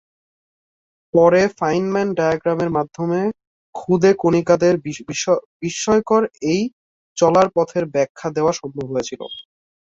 পরে ফাইনম্যান ডায়াগ্রামের মাধ্যমে খুদে কণিকাদের বিস্ময়কর এই চলার পথের ব্যাখ্যা দেওয়া সম্ভব হয়েছিল।